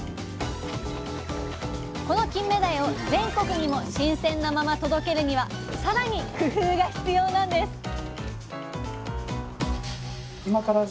このキンメダイを全国にも新鮮なまま届けるにはさらに工夫が必要なんです